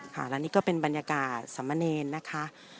ค่ะและนี่ก็เป็นบรรยากาศสมเนรนะคะ